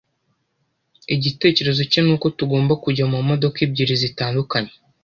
Igitekerezo cye nuko tugomba kujya mumodoka ebyiri zitandukanye.